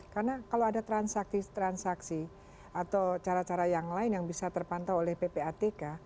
karena kalau ada transaksi atau cara cara yang lain yang bisa terpantau oleh ppatk